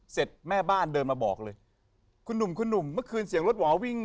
เสร็จแม่บ้านเดินมาบอกเลยคุณหนุ่มเมื่อคืนเสียงรถหว่อวิ่ง